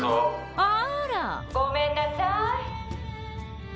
あらごめんなさい。